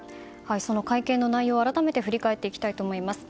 その会見の内容を改めて振り返っていきたいと思います。